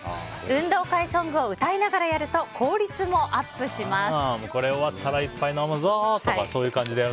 運動会ソングを歌いながらやると効率もアップします。